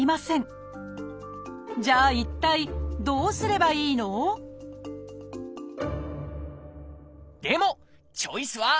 じゃあ一体どうすればいいの？でもチョイスはあります！